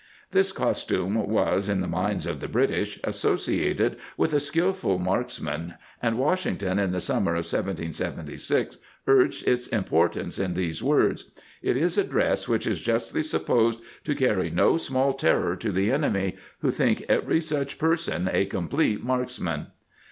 ^ This costume was, in the minds of the British, associated with a skilful marksman, and Wash ington in the summer of 1776 urged its impor tance in these words: "It is a dress which is justly supposed to carry no small terror to the enemy, who think every such person a complete marksman."